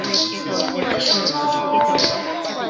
这种药物特别对治疗妊娠高血压综合征有着疗效。